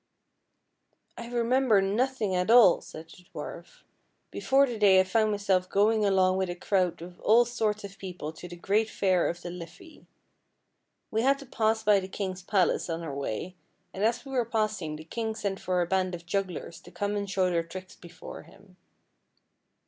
" I remember nothing at all," said the dwarf, " before the day I found myself going along with a crowd of all sorts of people to the great fair of the Liffey. We had to pass by the king's palace on our way, and as we were passing the king sent for a band of jugglers to come and show their tricks before him.